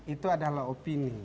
itu adalah opini